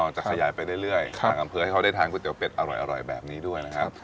อ๋อจะขยายไปเรื่อยเพื่อให้เขาได้ทานก๋วยเตี๋ยวเป็ดอร่อยแบบนี้ด้วยนะครับ